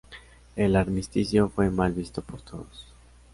El armisticio fue mal visto por todos.